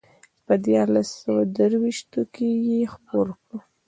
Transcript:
په دیارلس سوه درویشتو کې یې خپور کړ.